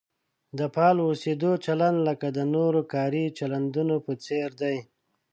د فعال اوسېدو چلند لکه د نورو کاري چلندونو په څېر دی.